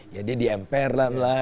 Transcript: ya dia di mpr lah